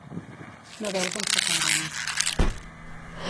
No veus on s'acaben.